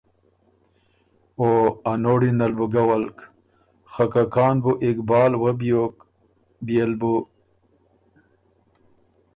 او ا نوړی نه ل بُو ګه ولک۔ خه که کان بُو اقبال وۀ بیوک بيې ل بُو